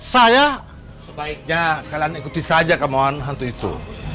saya sebaiknya kalian ikuti saja kemohon hantu itu